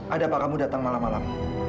ada apa kamu datang malam malam